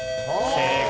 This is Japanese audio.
正解。